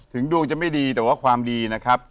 ถึงดวงจะไม่ดีแต่ว่าความดีนะครับ